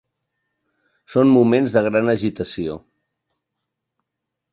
Són moments de gran agitació.